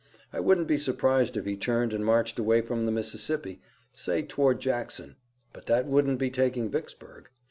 I wouldn't be surprised if he turned and marched away from the Mississippi, say toward Jackson." "But that wouldn't be taking Vicksburg."